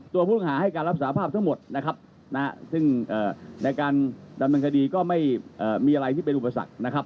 ตัวผู้ห่างหาให้การรับสารภาพทั้งหมดซึ่งในการดำเนินคดีก็ไม่มีอะไรที่เป็นอุปสรรค